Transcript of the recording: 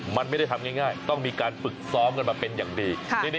มันไม่ได้ทำง่ายต้องมีการฝึกซ้อมกันมาเป็นอย่างดี